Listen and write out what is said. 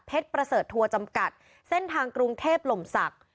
ประเสริฐทัวร์จำกัดเส้นทางกรุงเทพหล่มศักดิ์